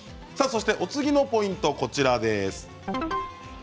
お次のポイントは、こちらです。